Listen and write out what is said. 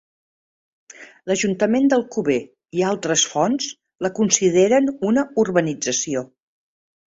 L'ajuntament d'Alcover i altres fonts la consideren una urbanització.